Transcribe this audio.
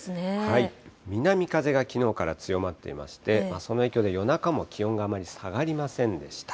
南風がきのうから強まっていまして、その影響で、夜中も気温があまり下がりませんでした。